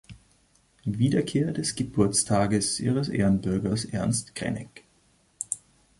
Wiederkehr des Geburtstages ihres Ehrenbürgers Ernst Krenek.